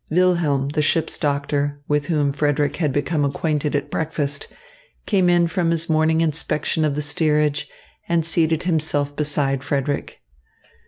Wilhelm, the ship's doctor, with whom Frederick had become acquainted at breakfast, came in from his morning inspection of the steerage, and seated himself beside Frederick.